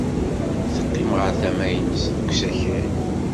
Teqqim ɣer tama-nnes deg usakal.